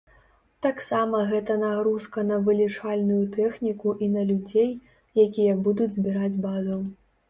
Таксама гэта нагрузка на вылічальную тэхніку і на людзей, якія будуць збіраць базу.